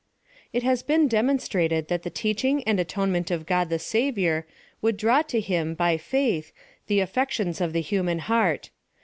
It has been demonstrated that the teaching and atonement of God the Savior would draw to him, by faith, the affections of the human heart.